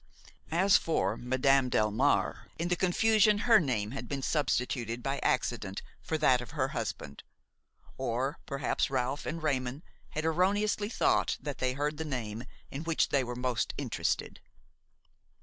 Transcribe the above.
As for Madame Delmare, in the confusion her name had been substituted by accident for that of her husband, or perhaps Ralph and Raymon had erroneously thought that they heard the name in which they were most interested.